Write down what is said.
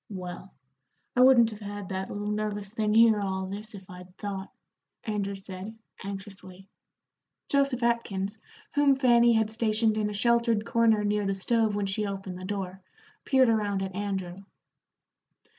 "Well, I wouldn't have had that little nervous thing hear all this, if I'd thought," Andrew said, anxiously. Joseph Atkins, whom Fanny had stationed in a sheltered corner near the stove when she opened the door, peered around at Andrew.